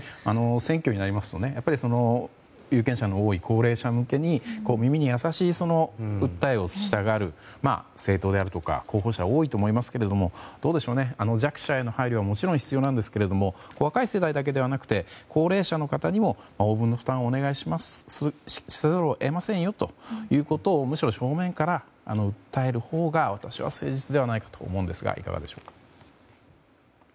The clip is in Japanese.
選挙になりますと有権者の多い高齢者向けに耳に優しい訴えをしたがる政党であるとか候補者は多いと思いますけども弱者への配慮はもちろん必要なんですが若い世代だけではなくて高齢者の方にも応分の負担をお願いせざるを得ませんとむしろ正面から訴えるほうが私は誠実ではないかと思うのですがいかがでしょうか。